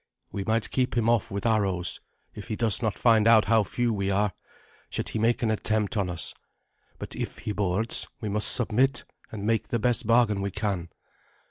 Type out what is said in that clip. We might keep him off with arrows, if he does not find out how few we are, should he make an attempt on us; but if he boards, we must submit, and make the best bargain we can."